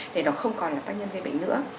thì nó không còn là tác nhân gây bệnh nữa